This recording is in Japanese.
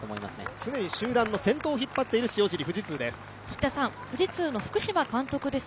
常に集団の先頭を引っ張っている富士通、塩尻です。